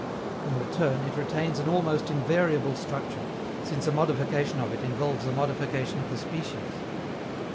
In return, it retains an almost invariable structure, since a modification of it involves a modification of the species.